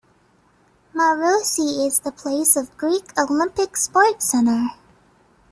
Maroussi is the place of Greek Olympic Sport Center.